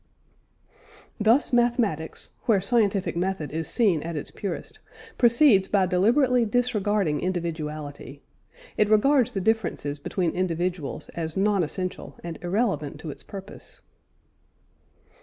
Thus mathematics where scientific method is seen at its purest proceeds by deliberately disregarding individuality; it regards the differences between individuals as non essential, and irrelevant to its purpose.